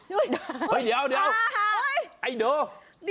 เฮ้ยเดี๋ยวเดี๋ยว